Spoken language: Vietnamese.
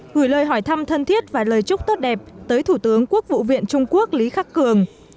gửi lời hỏi thăm thân thiết và lời chúc tốt đẹp tới thủ tướng quốc vụ viện trung quốc lý khắc cường